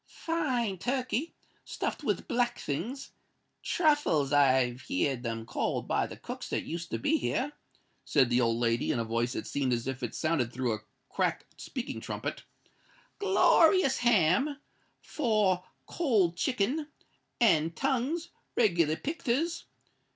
"Fine turkey, stuffed with black things—truffles I've heerd 'em called by the cooks that used to be here," said the old lady, in a voice that seemed as if it sounded through a cracked speaking trumpet; "glorious ham—four cold chicken—and tongues, reg'lar picturs!